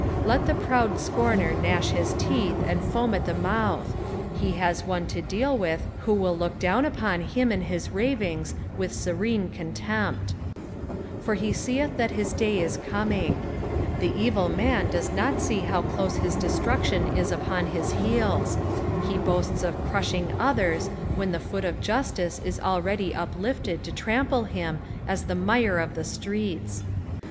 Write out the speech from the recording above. Let the proud scomer gnash his teeth and foam at the mouth \ he has one to deal with who will look down upon him and his ravings with serene cnutempt, " For he teeth that his day it eoming.^' The evil man does not see bow close bis destruction is upon his heels ; he bossts of crushing others when the foot of justice is already uplifted to trample him as the mire of the strcits.